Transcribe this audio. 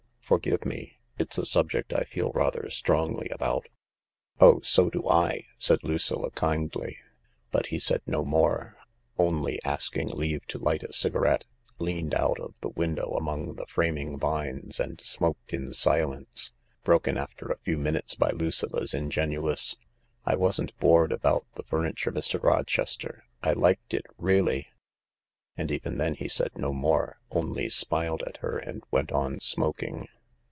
Forgive me. It's a subject I feel rather strongly about." "Oh, so do I," said Lucilla kindly. But he said no more ; only, asking leave to light a cigarette, leaned out of the window among the framing vines and smoked in silence, broken after a few minutes by Lucilla 's ingenuous, " I wasn't bored about the furniture, Mr. Rochester, I liked it, really 1 " And even then he said no more, only smiled at her, and went on smoking.